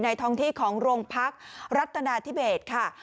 ในทองที่ของโรงพลักษณ์รัฐนาทิเบสค่ะ